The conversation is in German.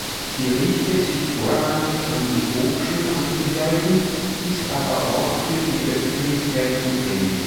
Sie richtet sich vorrangig an die Hochschulangehörigen, ist aber auch für die Öffentlichkeit zugänglich.